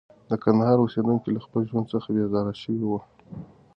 د کندهار اوسېدونکي له خپل ژوند څخه بېزاره شوي وو.